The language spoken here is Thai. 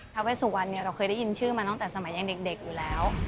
ถ้าไปสู่วันนี้เราเคยได้ยินชื่อมาตั้งแต่สมัยยังเด็กอยู่แล้ว